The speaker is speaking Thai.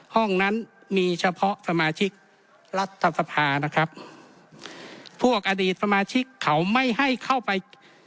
ห้องนั้นมีเฉพาะสมาชิกรัฐสภานะครับพวกอดีตสมาชิกเขาไม่ให้เข้าไป